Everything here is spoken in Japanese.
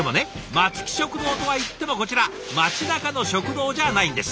「松木食堂」とはいってもこちら街なかの食堂じゃないんです。